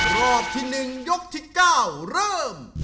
รอบที่หนึ่งยกที่เก้าเริ่ม